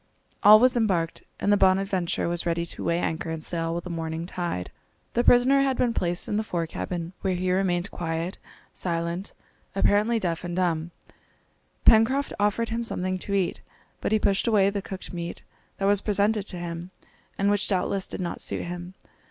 All was embarked, and the Bonadventure was ready to weigh anchor and sail with the morning tide. The prisoner had been placed in the fore cabin, where he remained quiet, silent, apparently deaf and dumb. Pencroft offered him something to eat, but he pushed away the cooked meat that was presented to him and which doubtless did not suit him.